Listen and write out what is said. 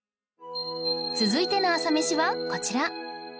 続いての朝メシはこちら